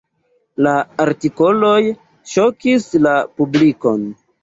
La artikoloj ŝokis la publikon.